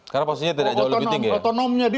karena posisinya tidak jauh lebih tinggi ya